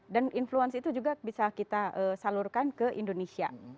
dan influence itu juga bisa kita salurkan ke indonesia